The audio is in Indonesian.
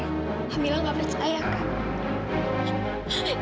kak mila gak percaya kak